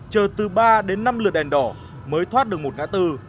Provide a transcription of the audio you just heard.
chờ từ ba đến năm lượt đèn đỏ mới thoát được một ngã tư